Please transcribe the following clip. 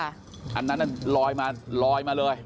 อันนั้นลอยมาเลย